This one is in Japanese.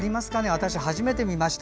私、初めて見ました。